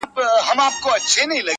ګیسو = زلف، وربل، څڼې